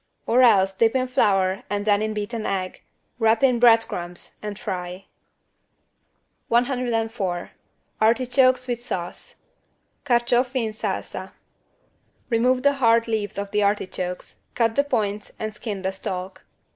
Or else dip in flour and then in beaten egg, wrap in bread crumbs and fry. 104 ARTICHOKES WITH SAUCE (Carciofi in salsa) Remove the hard leaves of the artichokes, cut the points and skin the stalk.